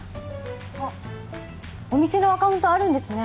あっお店のアカウントあるんですね